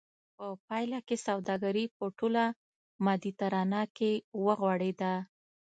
په پایله کې سوداګري په ټوله مدیترانه کې وغوړېده